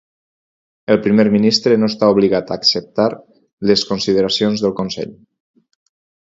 El Primer Ministre no està obligat a acceptar les consideracions del consell.